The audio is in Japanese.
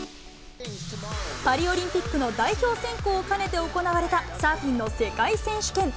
パリオリンピックの代表選考を兼ねて行われたサーフィンの世界選手権。